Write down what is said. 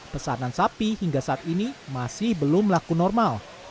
pesanan sapi hingga saat ini masih belum laku normal